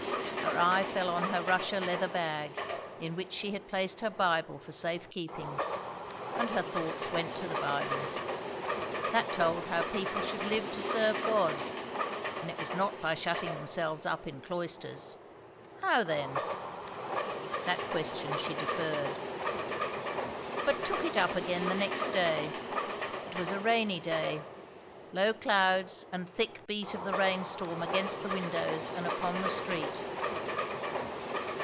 Her eye fell on her Russia leather bag, in which she had placed her Bible for safe keeping; and her thoughts went to the Bible. That told how people should live to serve God; and it was not by shutting themselves up in cloisters. How then? That question she deferred. But took it up again the next day. It was a rainy day; low clouds and thick beat of the rain storm against the windows and upon the street.